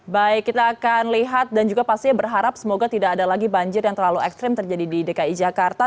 baik kita akan lihat dan juga pasti berharap semoga tidak ada lagi banjir yang terlalu ekstrim terjadi di dki jakarta